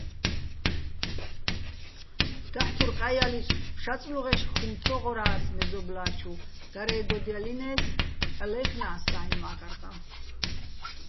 დაჰ̦ თურ ყაჲალისო̆, შაწლუღეშ ხუმ ცო ღორა́ს მეზობლა́ჩუ, დარე́გოდჲალინეს, ჰ̦ალო̆ ლაჲხნას საიჼ მაკარტაჼ.